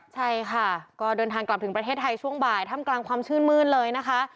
ใช่ค่ะก็เดินทางกลับถึงประเทศไทยช่วงบ่ายท่ามกลางความชื่นมืดเลยนะคะ